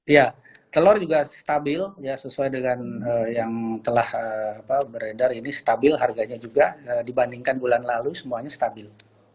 ya telur juga stabil ya sesuai dengan yang telah beredar ini stabil harganya juga dibandingkan bulan lalu semuanya stabil